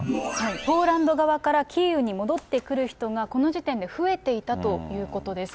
ポーランド側からキーウに戻ってくる人がこの時点で増えていたということです。